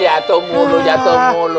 jatuh mulu jatuh mulu